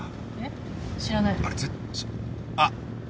あっ。